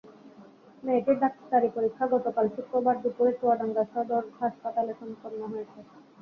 মেয়েটির ডাক্তারি পরীক্ষা গতকাল শুক্রবার দুপুরে চুয়াডাঙ্গা সদর হাসপাতালে সম্পন্ন হয়েছে।